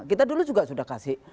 kita dulu juga sudah kasih